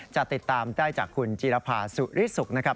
จะติดตามได้จากคุณจีรภาสุริสุขนะครับ